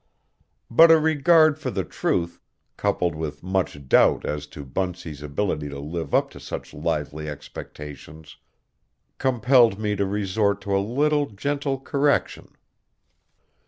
But a regard for the truth, coupled with much doubt as to Bunsey's ability to live up to such lively expectations, compelled me to resort to a little gentle correction.